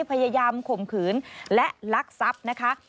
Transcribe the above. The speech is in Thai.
พยายามข่มขืนและลักซับนะคะ